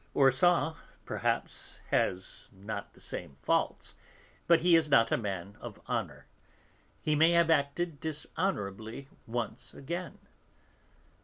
Orsan, perhaps, has not the same faults, but he is not a man of honour. He may have acted dishonourably once again."